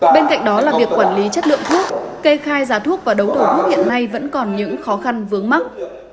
bên cạnh đó là việc quản lý chất lượng thuốc kê khai giá thuốc và đấu thầu thuốc hiện nay vẫn còn những khó khăn vướng mắt